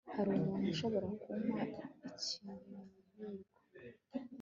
hari umuntu ushobora kumpa ikiyiko